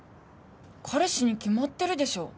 彼氏に決まってるでしょ。